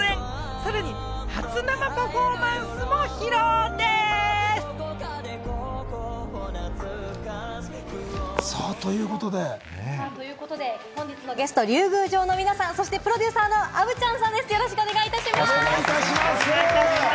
さらに初生パフォーマンスも披露でぃす！ということで、本日のゲスト・龍宮城の皆さん、そしてプロデューサーのアヴちゃんさんです、よろしくお願いいたします！